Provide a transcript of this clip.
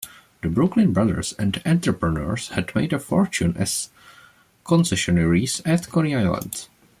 The Brooklyn brothers and entrepreneurs had made a fortune as concessionaires at Coney Island.